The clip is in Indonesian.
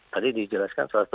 tadi dijelaskan salah satu